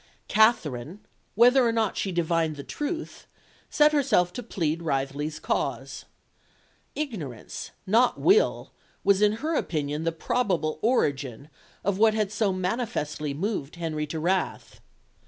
Katherine, whether or not she divined the truth, set herself to plead Wriothesley's cause. Ignorance, not will, was in her opinion the probable origin of what had so manifestly moved Henry to wrath.